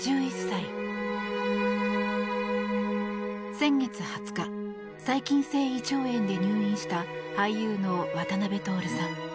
先月２０日細菌性胃腸炎で入院した俳優の渡辺徹さん。